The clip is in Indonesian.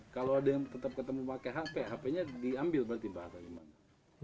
kalau ada yang tetap ketemu pakai hp hp nya diambil berarti pak